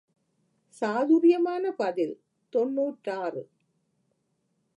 சாதுர்யமான பதில் தொன்னூற்றாறு.